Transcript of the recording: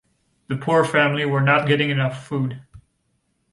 The poor family were not getting enough food.